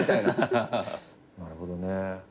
なるほどね。